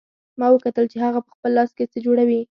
ما وکتل چې هغه په خپل لاس څه جوړوي